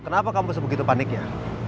kenapa kamu sebegitu paniknya